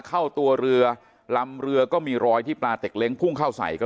เข้าตัวเรือลำเรือก็มีรอยที่ปลาเต็กเล้งพุ่งเข้าใส่ก็